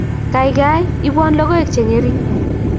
Gaigai, ibwon logoek chengering